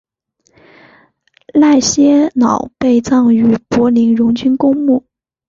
赖歇瑙被葬于柏林荣军公墓。